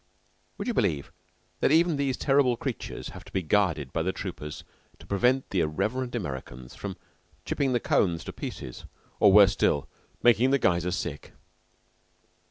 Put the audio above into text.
Would you believe that even these terrible creatures have to be guarded by the troopers to prevent the irreverent Americans from chipping the cones to pieces, or, worse still, making the geyser sick?